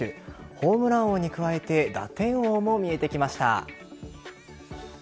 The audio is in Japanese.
ホームラン王に加えて打点王も見えてきました。